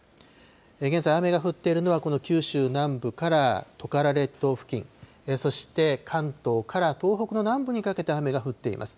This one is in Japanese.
現在、雨が降っているのはこの九州南部からトカラ列島付近、そして、関東から東北の南部にかけて雨が降っています。